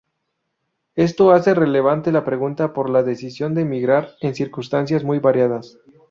Esto hace relevante la pregunta por la decisión de migrar en circunstancias muy variadas.